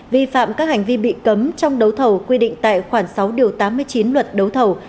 vi phạm các hành vi bị cấm trong đấu thầu quy định tại khoảng sáu điều tám mươi chín luật đấu thầu